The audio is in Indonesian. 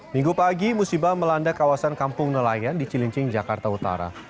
minggu pagi musibah melanda kawasan kampung nelayan di cilincing jakarta utara